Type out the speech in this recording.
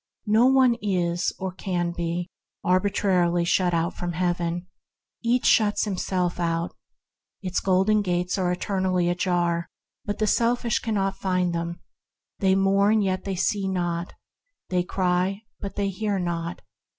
No one is, or can be, arbitrarily shut out from Heaven; each shuts himself out. Its Golden Gates are eternally ajar, but the selfish cannot find them; they mourn, yet see not; they cry, but hear not.